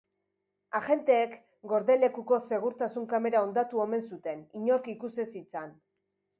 Agenteek gordelekuko segurtasun-kamera hondatu omen zuten, inork ikus ez zitzan.